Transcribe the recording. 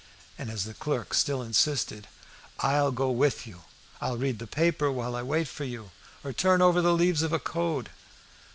And as the clerk still insisted "I'll go with you. I'll read a paper while I wait for you, or turn over the leaves of a 'Code.